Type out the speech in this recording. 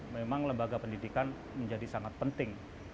memang lembaga pendidikan menjadi sangat penting